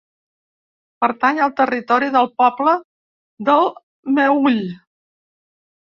Pertany al territori del poble del Meüll.